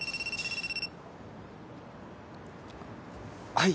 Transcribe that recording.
はい。